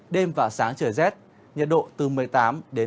đêm và sáng trời rét nhiệt độ từ một mươi tám hai mươi bảy độ